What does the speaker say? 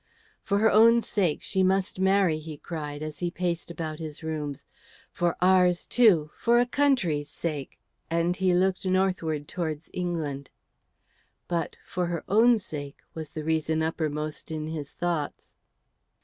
"For her own sake she must marry," he cried, as he paced about his rooms. "For ours, too, for a country's sake;" and he looked northwards towards England. But "for her own sake" was the reason uppermost in his thoughts.